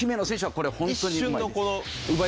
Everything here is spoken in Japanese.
そこがホントに。